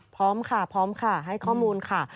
พร้อมค่ะให้ข้อมูลค่ะ